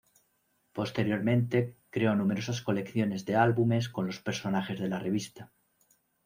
Posteriormente, creó numerosas colecciones de álbumes con los personajes de la revista.